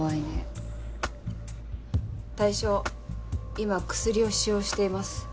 今薬を使用しています。